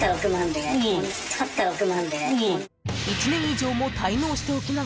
［１年以上も］